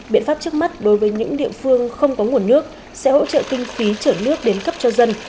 biện pháp trước mắt đối với những địa phương không có nguồn nước sẽ hỗ trợ kinh phí chở nước đến cấp cho dân